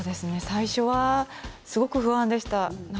最初はすごく不安でした。